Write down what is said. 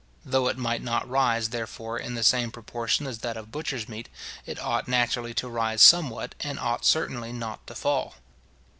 Though it might not rise, therefore, in the same proportion as that of butcher's meat, it ought naturally to rise somewhat, and it ought certainly not to fall.